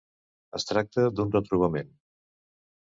Es tracta d’un retrobament.